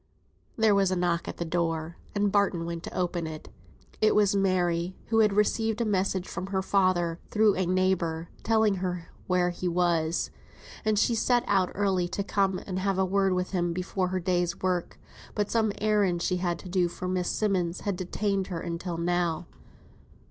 There was a knock at the door, and Barton went to open it. It was Mary, who had received a message from her father, through a neighbour, telling her where he was; and she had set out early to come and have a word with him before her day's work; but some errands she had to do for Miss Simmonds had detained her until now.